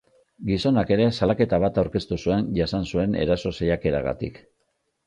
Gizonak ere salaketa bat aurkeztu zuen jasan zuen eraso saiakeragatik.